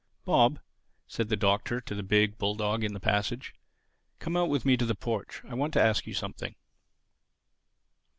"Bob," said the Doctor to the big bulldog in the passage, "come out with me into the porch. I want to ask you something."